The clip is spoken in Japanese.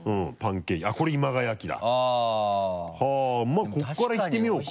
まぁここからいってみようか。